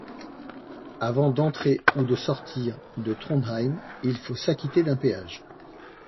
Avant d'entrer ou de sortir de Trondheim, il faut s'acquitter d'un péage.